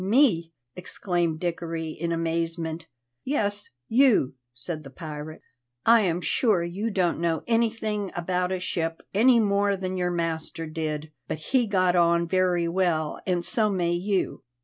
"Me!" exclaimed Dickory in amazement. "Yes, you," said the pirate. "I am sure you don't know anything about a ship any more than your master did, but he got on very well, and so may you.